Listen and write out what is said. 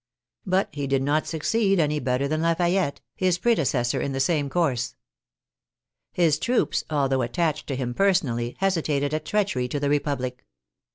But he did not succeed any better than Lafayette, his prede cessor in the same course. His troops, although attached to him personally, hesitated at treachery to the Republic.